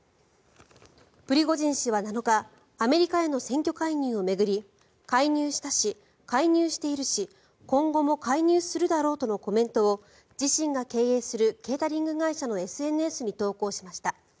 プリゴジン氏は７日アメリカへの選挙介入を巡り介入したし、介入しているし今後も介入するだろうとのコメントを自身が経営するケータリング会社のＳＮＳに投稿しました。